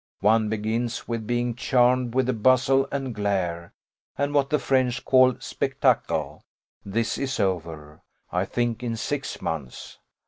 One begins with being charmed with the bustle and glare, and what the French call spectacle; this is over, I think, in six months.